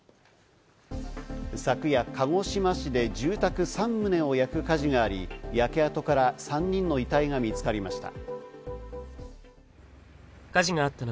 昨夜、鹿児島市で住宅３棟を焼く火事があり、焼け跡から３人の遺体が見つかりました。